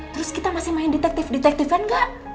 terus kita masih main detektif detektifan gak